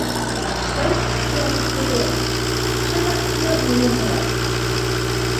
— Тый, Яков Петрович, чынак серьёзный еҥ улат.